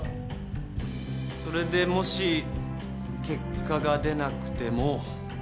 それでもし結果が出なくても。